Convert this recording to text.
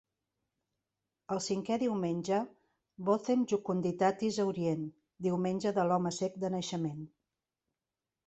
El cinquè diumenge, "Vocem jucunditatis" a Orient, diumenge de l'home cec de naixement.